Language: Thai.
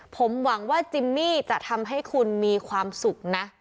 ผมหวังว่าจิมมี่จะทำให้คุณมีความสุขนะ